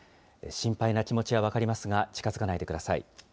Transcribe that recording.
心配な気持ちは分かりますが、近づかないでください。